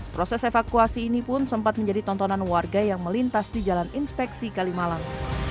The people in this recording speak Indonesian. proses evakuasi ini pun sempat menjadi tontonan warga yang melintas di jalan inspeksi kalimalang